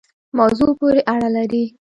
موضوع پوری اړه لری